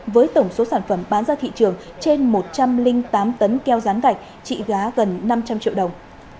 với tổng số sản phẩm bán ra thị trường trên một trăm linh tám tấn keo rán gạch trị gá gần năm trăm linh triệu đồng